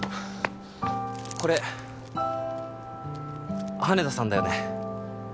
これ羽田さんだよね？